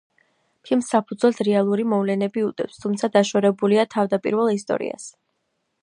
ფილმს საფუძვლად რეალური მოვლენები უდევს, თუმცა დაშორებულია თავდაპირველ ისტორიას.